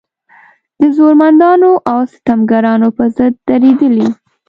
د زورمندانو او ستمګرانو په ضد درېدلې.